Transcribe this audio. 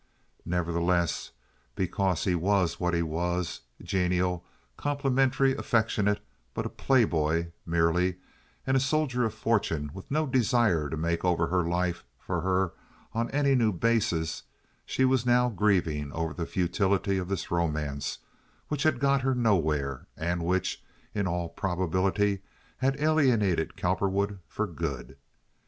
Nevertheless, because he was what he was—genial, complimentary, affectionate, but a playboy, merely, and a soldier of fortune, with no desire to make over her life for her on any new basis—she was now grieving over the futility of this romance which had got her nowhere, and which, in all probability, had alienated Cowperwood for good.